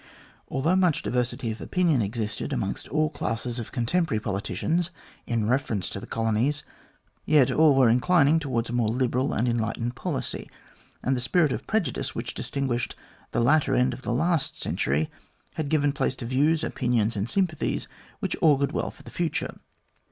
Although much diversity of opinion existed amongst all classes of contemporary politicians in reference to the colonies, yet all were inclining towards a more liberal and enlightened policy, and the spirit of prejudice which distinguished the latter end of the last century had given place to views, opinions, and sympathies which augured well for the future.